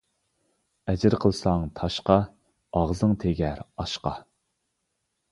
ئەجىر قىلساڭ تاشقا، ئاغزىڭ تېگەر ئاشقا.